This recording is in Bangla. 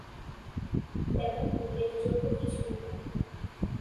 তেমন উল্লেখযোগ্য কিছুই নয়।